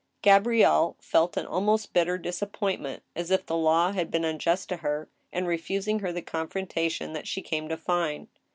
Gabrielle felt an almost bitter disappointment, as if the law had been unjust to her in refusing her the confrontation that she came to find.